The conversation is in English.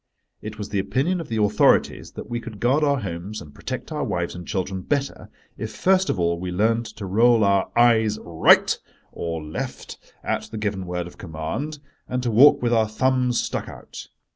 It was the opinion of the authorities that we could guard our homes and protect our wives and children better if first of all we learned to roll our "eyes right" or left at the given word of command, and to walk with our thumbs stuck out.